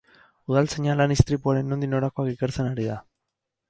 Udaltzaina lan-istripuaren nondik norakoak ikertzen ari da.